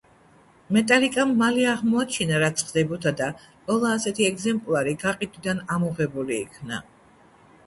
მეტალიკამ მალე აღმოაჩინა, რაც ხდებოდა, და ყველა ასეთი ეგზემპლარი გაყიდვიდან ამოღებული იქნა.